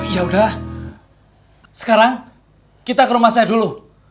yaudah sekarang kita ke rumah saya dulu